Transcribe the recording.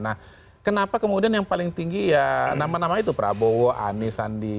nah kenapa kemudian yang paling tinggi ya nama nama itu prabowo anies sandi